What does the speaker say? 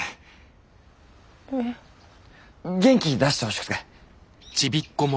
元気出してほしくて。